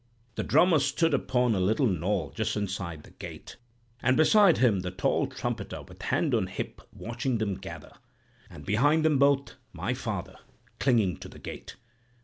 The drummer stood upon a little knoll just inside the gate, and beside him the tall trumpeter, with hand on hip, watching them gather; and behind them both my father, clinging to the gate.